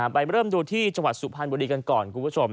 ไปเริ่มดูที่จสุพรรณบุรีกันก่อน